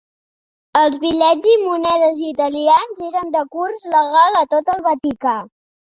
Els bitllets i monedes italians eren de curs legal a tot el Vaticà.